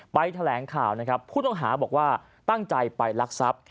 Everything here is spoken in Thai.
แถลงข่าวนะครับผู้ต้องหาบอกว่าตั้งใจไปลักทรัพย์